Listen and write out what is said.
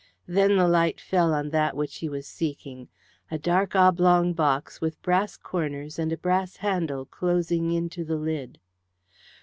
Then the light fell on that which he was seeking a dark oblong box, with brass corners, and a brass handle closing into the lid.